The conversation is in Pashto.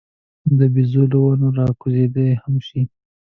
بیزو له ونو راکوزېدای هم شي.